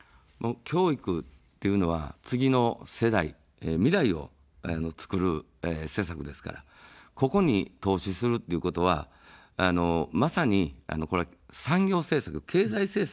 教育というのは次の世代、未来をつくる施策ですから、ここに投資するということは、まさに、産業政策、経済政策でもあるわけです。